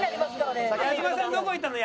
矢島さんどこ行ったの？